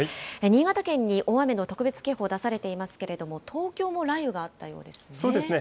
新潟県に大雨の特別警報、出されていますけれども、東京も雷雨があったようですね。